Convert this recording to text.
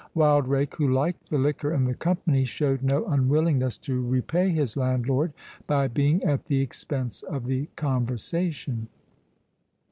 Wildrake, who liked the liquor and the company, showed no unwillingness to repay his landlord, by being at the expense of the conversation.